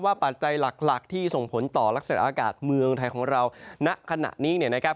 ปัจจัยหลักที่ส่งผลต่อลักษณะอากาศเมืองไทยของเราณขณะนี้เนี่ยนะครับ